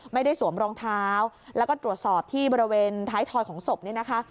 สวมรองเท้าแล้วก็ตรวจสอบที่บริเวณท้ายทอยของศพเนี่ยนะคะ